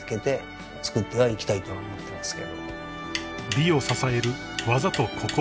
［美を支える技と心］